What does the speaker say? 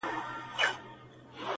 تر شا خلک دلته وېره د زمري سوه٫